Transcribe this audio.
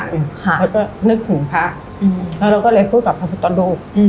แล้วก็นึกถึงพระแล้วเราก็เลยพูดกับพระพุทธรูป